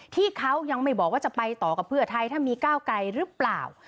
ที่เขายังไม่บอกว่าจะไปต่อกับเพื่อไทยถ้ามีก้าวไกลหรือเปล่า